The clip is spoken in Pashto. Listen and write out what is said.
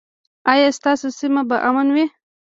ایا ستاسو سیمه به امن وي؟